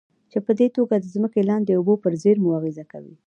چې پدې توګه د ځمکې لاندې اوبو پر زېرمو اغېز کوي.